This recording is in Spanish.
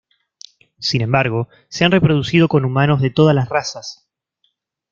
Sin embargo, se han reproducido con humanos de todas las razas.